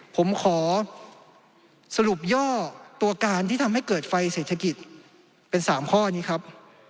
ผมขอสรุปย่อตัวการที่ทำให้เกิดไฟเศรษฐกิจเป็น๓ข้อนี้ครับ